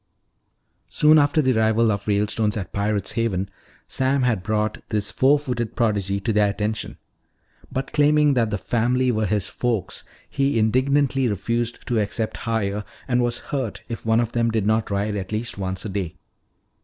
Soon after the arrival of the Ralestones at Pirate's Haven, Sam had brought this four footed prodigy to their attention. But claiming that the family were his "folks," he indignantly refused to accept hire and was hurt if one of them did not ride at least once a day.